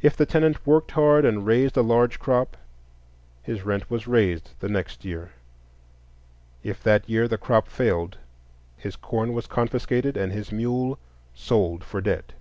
If the tenant worked hard and raised a large crop, his rent was raised the next year; if that year the crop failed, his corn was confiscated and his mule sold for debt.